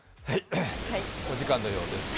お時間のようです。